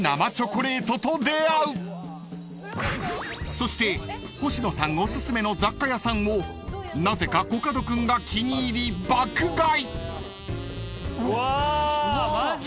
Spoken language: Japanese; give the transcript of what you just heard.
［そして星野さんおすすめの雑貨屋さんをなぜかコカド君が気に入り爆買い！］